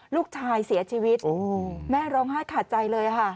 ลูกชายเสียชีวิตแม่ร้องไห้ขาดใจเลยค่ะ